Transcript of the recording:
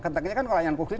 keteknya kan layanan publik